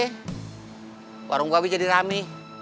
pak be warung pak be jadi rame